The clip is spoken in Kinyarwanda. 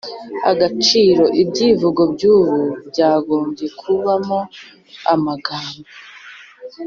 agaciro, ibyivugo by’ubu byagombye kubamo amagambo